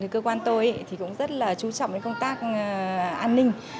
cơ quan tôi thì cũng rất là chú trọng đến công tác an ninh